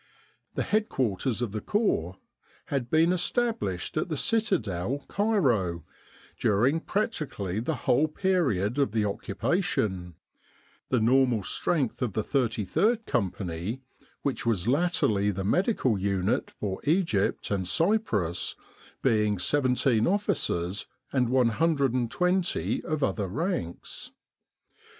The headquarters of the Corps had been established at the Citadel, Cairo, during practically the whole period of the Occupation, the normal strength of the 33rd Company, which was latterly the medical unit for Egypt and Cyprus, being 17 officers and 120 of other ranks.